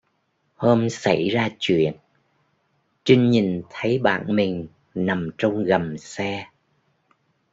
hôm sảy ra truyện, Trinh nhìn thấy bạn mình nằm trong gầm xe